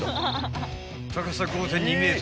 ［高さ５．２ｍ］